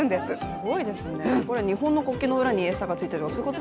すごいですね、日本の国旗の裏に餌がついてるとか？